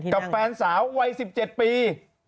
กับแฟนสาววัย๑๗ปี